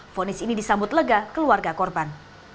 fonis ini disambut lega keluarga korban